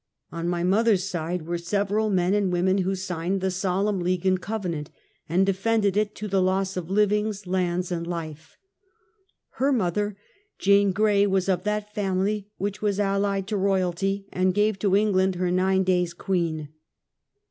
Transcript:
On mj mother's side were several men and women who signed the "Solemn League and Cove nant," and defended it to the loss of livings, lands and life. Her mother, Jane Grej, was of that family which was allied to royalty, and gave to England her nine day's queen.